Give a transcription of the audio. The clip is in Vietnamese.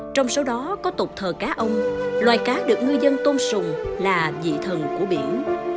trong số đó có tục thờ cá ông loài cá được ngư dân tôn sùng là dị thần của biển